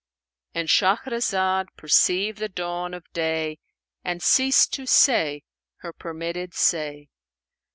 And Shahrazad perceived the dawn of day and ceased to say her permitted say.